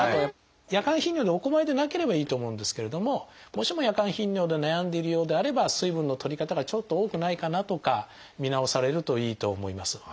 夜間頻尿でお困りでなければいいと思うんですけれどももしも夜間頻尿で悩んでいるようであれば水分のとり方がちょっと多くないかなとか見直されるといいと思います。